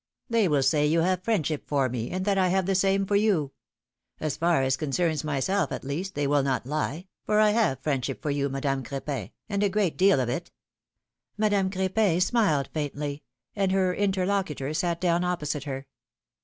They will say, you have friendship for me, and that I have the same for you. As far as concerns myself, at least, they will not lie, for I have friendship for you, Madame Cr4pin, and a great deal of it ! 30 philoimi^ne's marriages. Madame Cr^pin smiled faintly, and her interlocutor sat down opposite to her.